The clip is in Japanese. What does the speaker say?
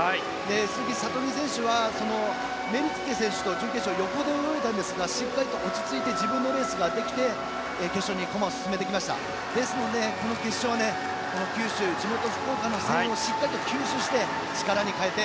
鈴木聡美選手はメイルティテ選手と準決勝、横で泳いだんですがしっかりと落ち着いて自分のレースをして決勝に駒を進めてきましたのでこの決勝九州、地元・福岡の声援をしっかりと吸収して力に変えて。